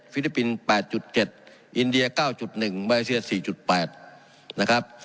ฟิลิปปินส์๘๗อินเดีย๙๑เบอร์เซียส๔๘นะครับ